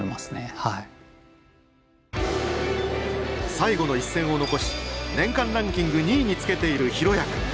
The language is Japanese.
最後の一戦を残し年間ランキング２位につけている大也君。